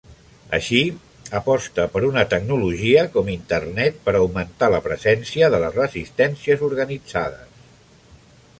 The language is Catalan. Així, aposta per una tecnologia com Internet per augmentar la presència de les resistències organitzades.